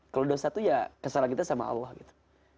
kalau dosa tuh ya kesalahan kita sama allah gitu